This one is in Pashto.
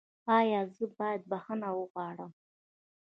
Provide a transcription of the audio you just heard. ایا زه باید بخښنه وغواړم؟